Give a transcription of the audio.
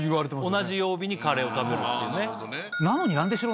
同じ曜日にカレーを食べるってね。